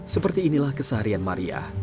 seperti inilah keseharian maria